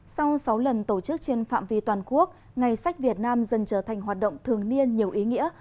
sau sáu lần tổ chức trên phạm vi toàn quốc ngày sách việt nam dần trở thành hoạt động thường niên nhiều ý nghĩa